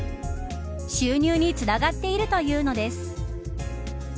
収入につながっているというのです。